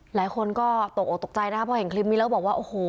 หลายคนก็ตกออกตกใจนะคะพอเห็นคลิปนี้แล้วบอกว่าโอ้โห